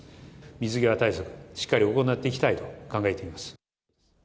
水際対策、しっかり行っていきたいと考えています。